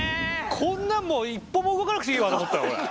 こんなんもう一歩も動かなくていいわと思った俺。